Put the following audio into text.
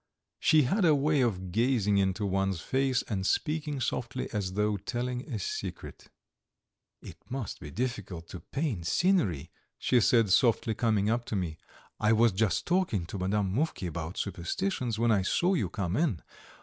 She had a way of gazing into one's face, and speaking softly as though telling a secret. "It must be difficult to paint scenery," she said softly, coming up to me. "I was just talking to Madame Mufke about superstitions when I saw you come in.